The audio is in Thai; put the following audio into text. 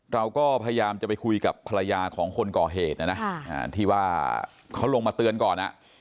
เราก็พยายามจะไปคุยกับภรรยาของคนก่อเหตุนะนะที่ว่าเขาลงมาเตือนก่อน